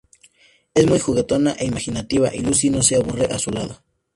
Es muy juguetona e imaginativa, y Lucy no se aburre a su lado.